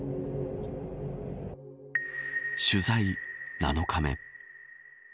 取材７日目。